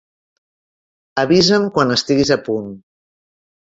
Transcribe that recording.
Avisa'm quan estiguis a punt.